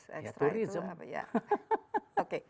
ya turism hahaha